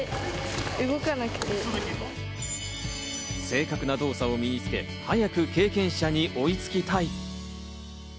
正確な動作を身につけ、早く経験者に追いつきたい。